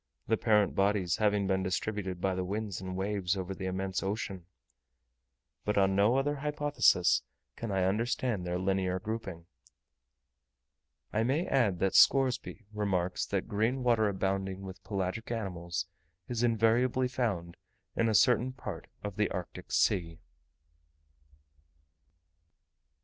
the parent bodies having been distributed by the winds and waves over the immense ocean. But on no other hypothesis can I understand their linear grouping. I may add that Scoresby remarks that green water abounding with pelagic animals is invariably found in a certain part of the Arctic Sea.